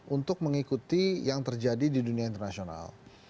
untuk mengikuti yang terjadi di dunia internasional